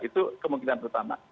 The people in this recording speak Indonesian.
itu kemungkinan pertama